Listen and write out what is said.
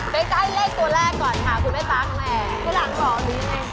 เฟ้นจะให้เลขตัวแรกก่อนค่ะคุณแม่ตาของแอน